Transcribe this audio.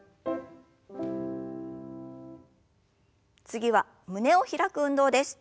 次は胸を開く運動です。